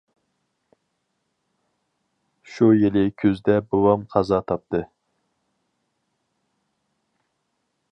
شۇ يىلى كۈزدە بوۋام قازا تاپتى.